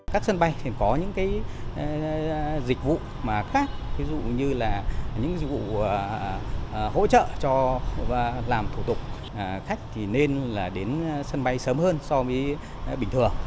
các sân bay thì có những cái dịch vụ mà khác ví dụ như là những dịch vụ hỗ trợ cho làm thủ tục khách thì nên là đến sân bay sớm hơn so với bình thường